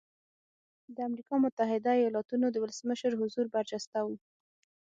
د امریکا متحده ایالتونو ولسمشر حضور برجسته و.